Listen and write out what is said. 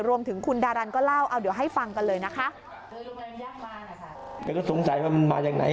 รวมถึงคุณดารันก็เล่าเอาเดี๋ยวให้ฟังกันเลยนะคะ